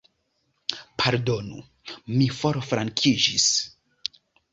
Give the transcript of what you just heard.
Pardonu, mi forflankiĝis.